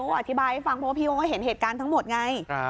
อธิบายให้ฟังเพราะว่าพี่เขาก็เห็นเหตุการณ์ทั้งหมดไง